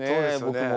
僕も。